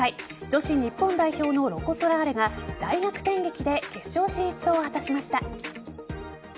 女子日本代表のロコ・ソラーレが大逆転劇で決勝進出を果たしました。